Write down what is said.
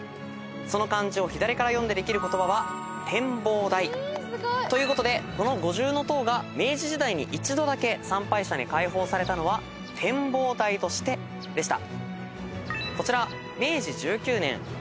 その漢字を左から読んでできる言葉は。ということでこの五重塔が明治時代に一度だけ参拝者に開放されたのは展望台としてでした。